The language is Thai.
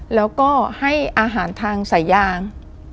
แล้วก็ให้อาหารทางสายยาง